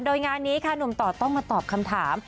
โดยงานนี้ค่ะหนุ่มต่อต้องมาตอบคำถาม